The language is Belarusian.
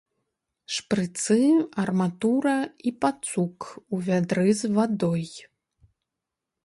Шпрыцы, арматура і пацук у вядры з вадой.